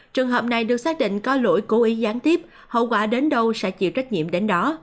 trường hợp này được xác định có lỗi cố ý gián tiếp hậu quả đến đâu sẽ chịu trách nhiệm đến đó